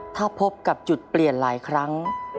ถ้าพบกับจุดเปลี่ยนหลายครั้ง